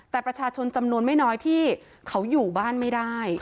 แต่ประชาชนจำนวนไม่น้อยที่เขาอยู่บ้านไม่ได้